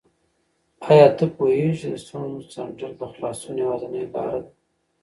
آیا ته پوهېږې چې د ستونزو څنډل د خلاصون یوازینۍ لاره ده؟